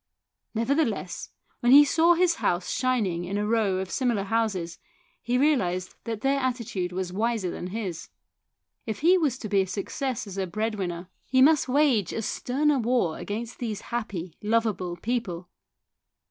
Nevertheless, when he saw his house shining in a row of similar houses, he realised that their attitude was wiser than his. If he was to be a success as a breadwinner he must THE SOUL OF A POLICEMAN 185 wage a sterner war against these happy, lovable people.